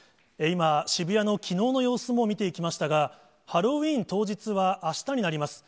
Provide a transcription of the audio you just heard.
今、渋谷のきのうの様子も見ていきましたが、ハロウィーン当日はあしたになります。